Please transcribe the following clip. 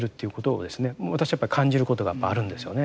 私やっぱり感じることがやっぱあるんですよね。